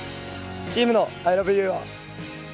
チームのアイラブユーは１、